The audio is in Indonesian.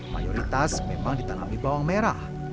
mayoritas memang ditanami bawang merah